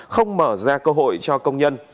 không mở ra cơ hội cho công nhân